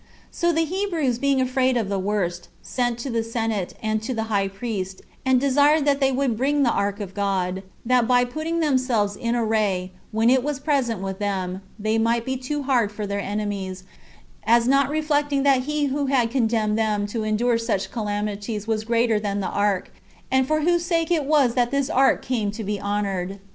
2. So the Hebrews being afraid of the worst, sent to the senate, and to the high priest, and desired that they would bring the ark of God, that by putting themselves in array, when it was present with them, they might be too hard for their enemies, as not reflecting that he who had condemned them to endure these calamities was greater than the ark, and for whose sake it was that this ark came to be honored.